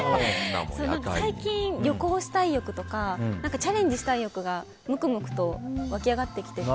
最近、旅行したい欲とかチャレンジしたい欲がむくむくと湧き上がってきてて。